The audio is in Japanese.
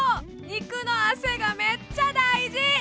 肉の汗がめっちゃ大事！